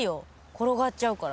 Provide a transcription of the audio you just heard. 転がっちゃうから。